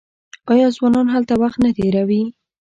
آیا ځوانان هلته وخت نه تیروي؟